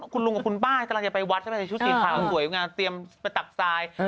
คุณลุงกับคุณป้ากำลังจะไปวัดใช่ไหมชุดสีขาวสวยงามเตรียมไปตักทราย